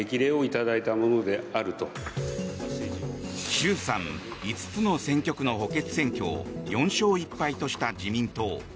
衆参５つの選挙区の補欠選挙を４勝１敗とした自民党。